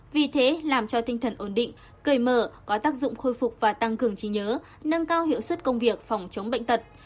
vì thế làm cho tinh thần ổn định cởi mở có tác dụng khôi phục và tăng cường trí nhớ nâng cao hiệu suất công việc phòng chống bệnh tật